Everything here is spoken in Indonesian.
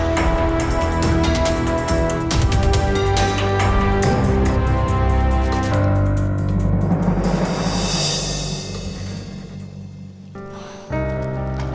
sial gagal semua rencana gue